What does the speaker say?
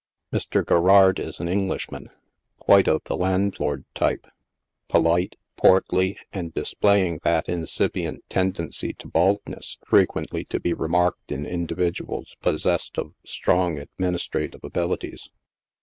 Mr. Garrard is an Englishman, quite of the landlord type — polite, portly, and displaying that incipient tendency to baldness frequently to be remarked in individuals possessed of strong administrative abilities.